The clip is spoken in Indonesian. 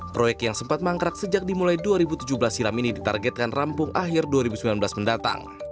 proyek yang sempat mangkrak sejak dimulai dua ribu tujuh belas silam ini ditargetkan rampung akhir dua ribu sembilan belas mendatang